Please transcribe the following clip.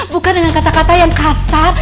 bukan dengan kata kata yang kasar